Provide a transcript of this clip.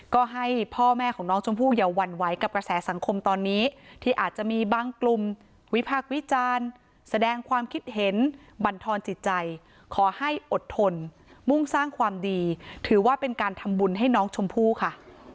ก็ให้พ่อแม่ของน้องชมพู่อย่าหวั่นไหวกับกระแสสังคมตอนนี้ที่อาจจะมีบางกลุ่มวิพากษ์วิจารณ์แสดงความคิดเห็นบรรทอนจิตใจขอให้อดทนมุ่งสร้างความดีถือว่าเป็นการทำบุญให้น้องชมพู่ค่ะ